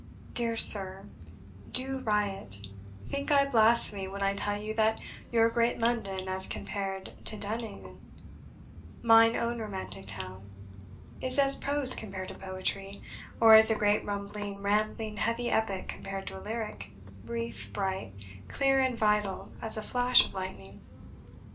My dear sir, I do not think I blaspheme, when I tell you that your great London, as compared to Dun Edin, 'mine own romantic town,' is as prose compared to poetry, or as a great rumbling, rambling, heavy epic compared to a lyric, brief, bright, clear and vital as a flash of lightning.